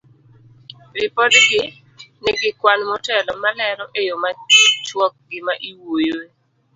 Ripodgi ni gi kwan motelo malero e yo machuok gima iwuoyoe.